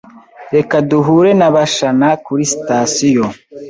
Reka duhure na Bashana kuri sitasiyo.